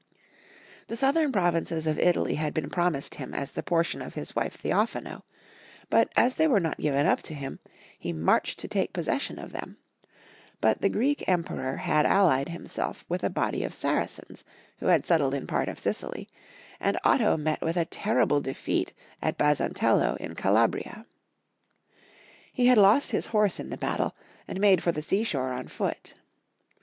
The southern provinces of Italy had been prom ised him as the portion of Ids wife Theophano, but as they were not given up to him, he marched to take possession of them ; but the Greek Emperor had allied himself with a body of Saracens who had settled in part of Sicily, and Otto met with a terri ble defeat at Basantello in Calabria. He had lost his horse in the battle, and made for the sea shore on foot.